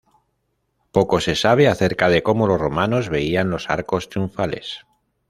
Poco se sabe acerca de cómo los romanos veían los arcos triunfales.